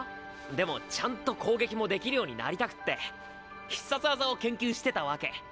でもちゃんと攻撃もできるようになりたくって必殺技を研究してたわけ。